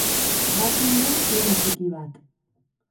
Bazen behin ume txiki bat.